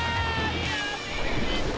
やめて！